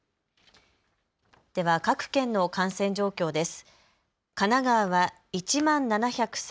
では各県の感染状況です。